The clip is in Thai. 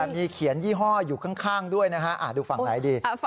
มีเขียนยี่ห้ออยู่ข้างด้วยนะฮะดูฝั่งไหนดี